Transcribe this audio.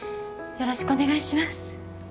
よろしくお願いします